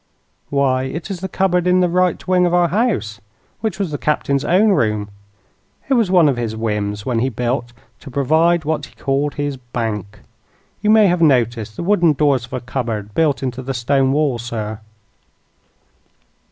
"Why, it is the cupboard in the right wing of our house, which was the Captain's own room. It was one of his whims, when he built, to provide what he called his 'bank.' You may have noticed the wooden doors of a cupboard built into the stone wall, sir?"